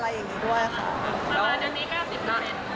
ประมาณวันนี้๙๙๙๙